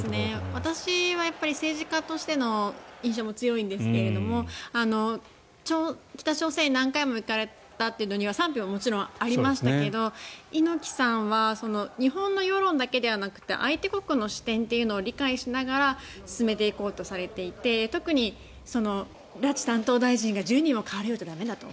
私は政治家としての印象が強いんですけれども北朝鮮に何回も行かれたというのには賛否はもちろんありましたけど猪木さんは日本の世論だけではなくて相手国の視点というのを理解しながら進めていこうとされていて特に拉致担当大臣が１０人も代わるようじゃ駄目だと。